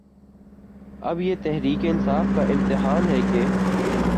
اب یہ تحریک انصاف کا امتحان ہے کہ